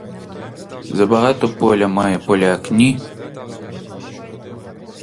Забагато поля має поляк, ні?